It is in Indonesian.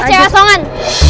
eh cewek songan